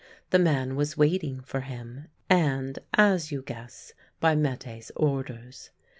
The man was waiting for him, and (as you guess) by Mette's orders.